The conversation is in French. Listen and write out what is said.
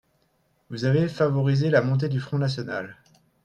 Vous avez favorisé la montée du Front national